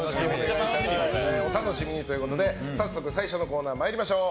お楽しみにということで早速最初のコーナー私たち